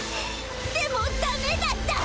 でもだめだった！